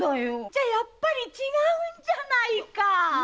じゃやっぱり違うんじゃないか！